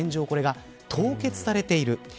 これが凍結されている。